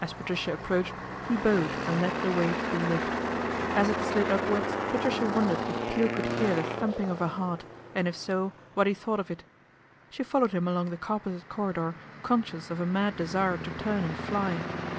As Patricia approached he bowed and led the way to the lift. As it slid upwards Patricia wondered if Peel could hear the thumping of her heart, and if so, what he thought of it. She fol lowed him along the carpeted corridor conscious of a mad desire to turn and fly.